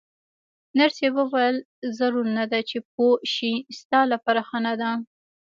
نرسې وویل: ضرور نه ده چې پوه شې، ستا لپاره ښه نه ده.